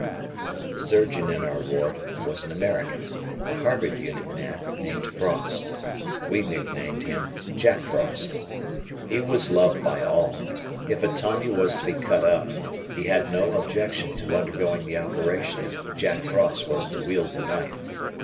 The surgeon in our ward was an American, a Harvard Unit man, named Frost. We nicknamed him "Jack Frost." He was loved by all. If a Tommy was to be cut up he had no objection to undergoing the operation if "Jack Frost" was to wield the knife.